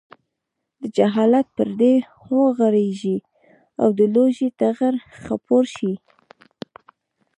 د جهالت پردې وغوړېږي او د لوږې ټغر خپور شي.